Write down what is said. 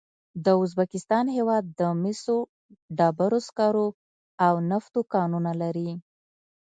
د ازبکستان هېواد د مسو، ډبرو سکرو او نفتو کانونه لري.